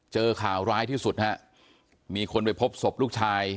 เจอข่าวร้ายที่สุดฮะมีคนไปพบศพลูกชาย